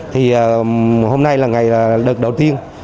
thì hôm nay là ngày đợt đầu tiên